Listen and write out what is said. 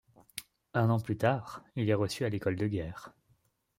Un an plus tard, il est reçu à l'École de guerre.